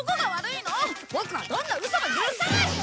ボクはどんなウソも許さない！